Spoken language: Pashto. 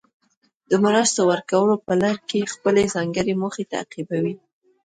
د مرستو ورکولو په لړ کې خپلې ځانګړې موخې تعقیبوي.